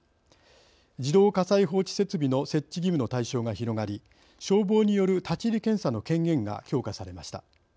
自動火災報知設備の設置義務の対象が広がり消防による立ち入り検査の権限が強化されました。